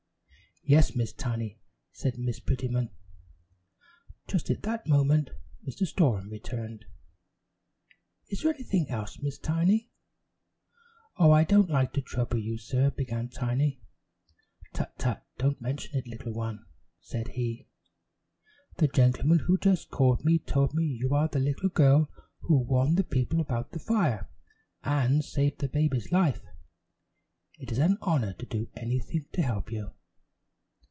"Yes, Miss Tiny," said Miss Prettyman. Just at that moment Mr. Storem returned. "Is there anything else, Miss Tiny?" "Oh, I don't like to trouble you, sir," began Tiny. "Tut! Tut! Don't mention it, little one," said he. "The gentleman who just called me told me you are the little girl who warned the people about the fire, and saved the baby's life. It is an honor to do anything to help you."